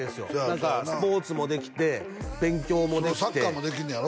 何かスポーツもできて勉強もできてサッカーもできんねやろ？